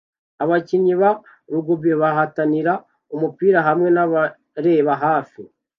Abakinnyi ba rugby bahatanira umupira hamwe nababareba hafi